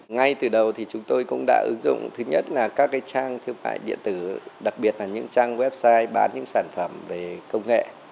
ngay từ đầu thì chúng tôi cũng đã ứng dụng thứ nhất là các trang thương mại điện tử đặc biệt là những trang website bán những sản phẩm về công nghệ